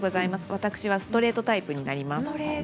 私はストレートタイプになります。